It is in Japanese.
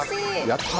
やった！